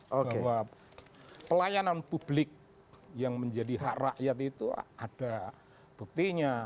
bahwa pelayanan publik yang menjadi hak rakyat itu ada buktinya